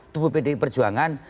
tupu pendidikan perjuangan